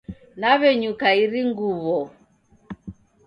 Naw'enyuka iri nguw'o